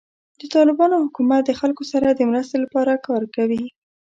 د طالبانو حکومت د خلکو سره د مرستې لپاره کار کوي.